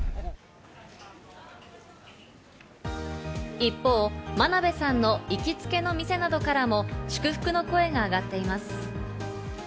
一方、真鍋さんの行きつけの店などからも祝福の声があがっています。